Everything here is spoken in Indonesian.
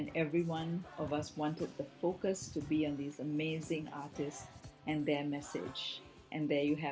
dan semua orang ingin fokus di antara artis yang luar biasa dan pesan mereka